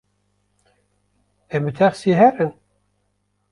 Em bi texsiyê herin?